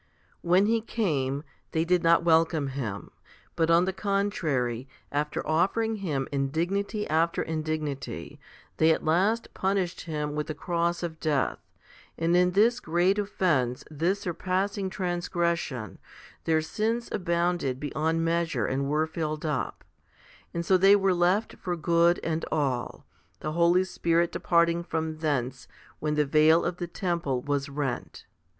When He came, they did not welcome Him, but on the contrary, after offering Him indignity after indignity, they at last punished Him with the cross of death ; and in this great offence, this surpassing transgression, their sins abounded beyond measure and were filled up ; and so they were left for good and all, the Holy Spirit departing from thence when the veil of the temple was rent.